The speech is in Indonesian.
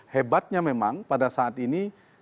hebatnya memang pada saat ini